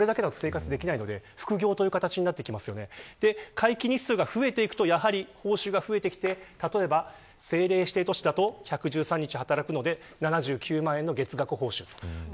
会期日数が増えていくと報酬が増えてきて政令指定都市だと１１３日、働くので７９万円の月額報酬になります。